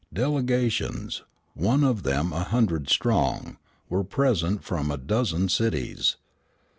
Delegations, one of them a hundred strong, were present from a dozen cities.